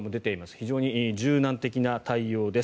非常に柔軟的な対応です。